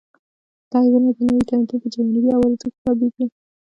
دا عیبونه د نوي تمدن په جانبي عوارضو کې حسابېږي